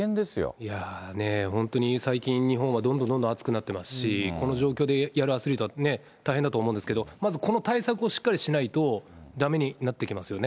いやぁ、ねぇ、本当に最近、日本はどんどんどんどん暑くなってますし、この状況でやるアスリートは大変だと思うんですけど、まずこの対策をしっかりしないと、だめになってきますよね。